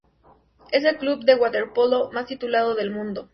Es el club de waterpolo más titulado del mundo.